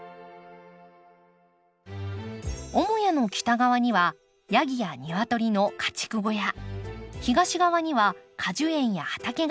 母屋の北側にはヤギやニワトリの家畜小屋東側には果樹園や畑が広がります。